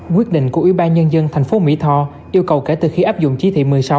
quyết định của ủy ban nhân dân thành phố mỹ tho yêu cầu kể từ khi áp dụng chỉ thị một mươi sáu